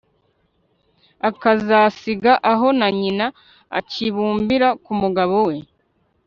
akazasiga aho na nyina, akibumbira ku mugabo we